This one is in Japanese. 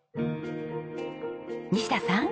西田さん。